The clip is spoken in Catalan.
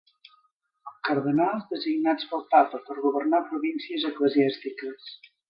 Cardenals designats pel Papa per governar províncies eclesiàstiques.